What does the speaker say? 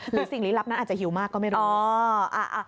สิ่งลี้ลับนั้นอาจจะหิวมากก็ไม่รู้